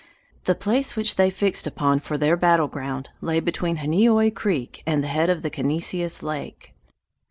The place which they fixed upon for their battle ground lay between Honeoy Creek and the head of Connessius Lake.